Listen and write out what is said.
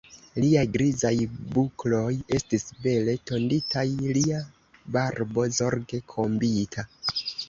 Liaj grizaj bukloj estis bele tonditaj, lia barbo zorge kombita.